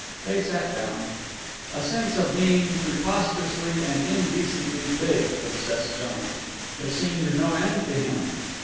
They sat down. A sense of being preposterously and indecently big obsessed John. There seemed no end to him.